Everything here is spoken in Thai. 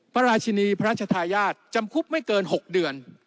พระราชินีพระราชทายาทจำคุกไม่เกิน๖เดือน